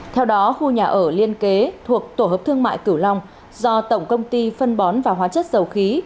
theo đó khu nhà ở liên kế thuộc tổ hợp thương mại cửu long do tổng công ty phân bón và hóa chất dầu khí